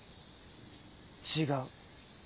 違う。